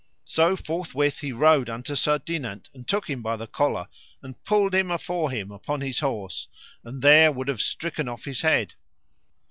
So forthwith he rode unto Sir Dinant and took him by the collar, and pulled him afore him upon his horse, and there would have stricken off his head.